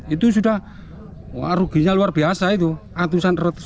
itu sudah ruginya luar biasa itu